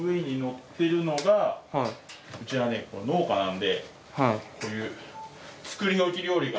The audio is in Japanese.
うちはね農家なんでこういう。